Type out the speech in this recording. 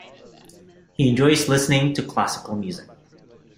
He enjoys listening to Classical Music.